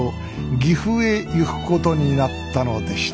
岐阜へ行くことになったのでした